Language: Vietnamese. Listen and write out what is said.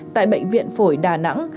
tại bệnh viện phổi đà nẵng